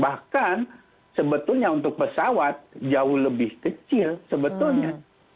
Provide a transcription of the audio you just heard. bahkan sebetulnya untuk pesawat jauh lebih kecil sebetulnya